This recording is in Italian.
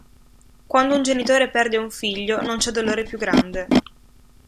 Quando un genitore perde un figlio, non c'è dolore più grande.